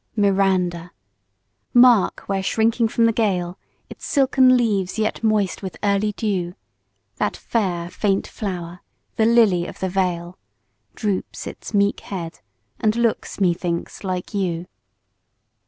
MIRANDA! mark where shrinking from the gale, Its silken leaves yet moist with early dew, That fair faint flower, the Lily of the vale Droops its meek head, and looks, methinks, like you!